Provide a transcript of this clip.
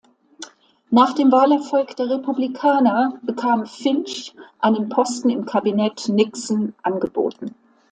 Nach dem Wahlerfolg der Republikaner bekam Finch einen Posten im Kabinett Nixon angeboten.